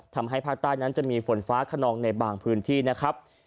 ทำให้ภาคใต้นั้นจะมีฝนฟ้าขนองในบางพื้นที่นะครับ